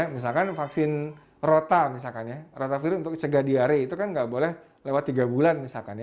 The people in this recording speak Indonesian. misalkan vaksin rota rota viru untuk cegah diare itu kan nggak boleh lewat tiga bulan